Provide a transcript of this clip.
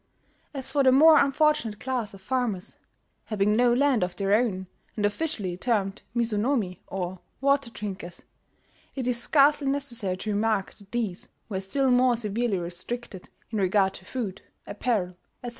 As for the more unfortunate class of farmers, having no land of their own, and officially termed mizunomi, or "water drinkers," it is scarcely necessary to remark that these were still more severely restricted in regard to food, apparel, etc.